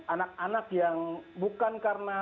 anak anak yang bukan karena